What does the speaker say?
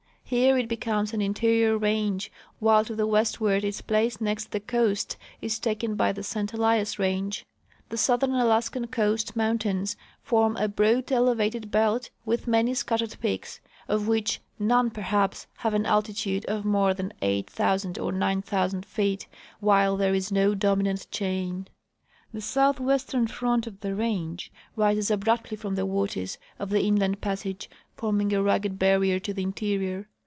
Here it becomes an interior range, while to the westward its place next the coast is taken by the St Elias range. The southern Alaskan coast mountains form a broad elevated belt with many scattered peaks, of which none perhaps have an alti tude of more than 8,000 or 9,000 feet, while there is no dominant chain. The southwestern front of the range rises abruptly from the waters of the inland passage, forming a rugged barrier to the interior.